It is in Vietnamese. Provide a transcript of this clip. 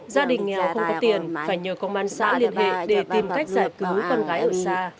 gia đình nghèo không có tiền phải nhờ công an xã liên hệ để tìm cách giải cứu con gái ở xa